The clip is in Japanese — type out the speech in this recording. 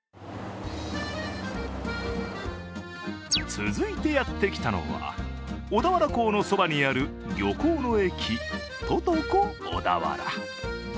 続いてやってきたのは、小田原港のそばにある漁港の駅ＴＯＴＯＣＯ小田原。